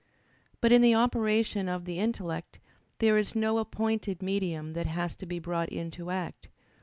But in the operation of the intellect there is no appointed medium that has to be brought into act.